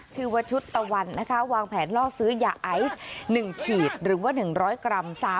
ชื่อว่าชุดตะวันนะคะวางแผนล่อซื้อยาไอซ์๑ขีดหรือว่า๑๐๐กรัม